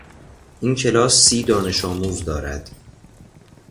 این کلاس سی دانشآموز دارد.